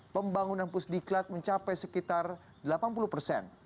pembangunan pusdiklat mencapai sekitar delapan puluh persen